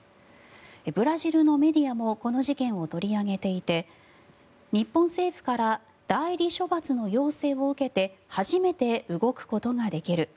ブラジルのメディアもこの事件を取り上げていて日本政府から代理処罰の要請を受けて初めて動くことができる。